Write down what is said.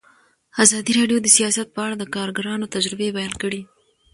ازادي راډیو د سیاست په اړه د کارګرانو تجربې بیان کړي.